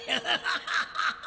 ハハハハ。